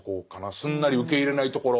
すんなり受け入れないところ。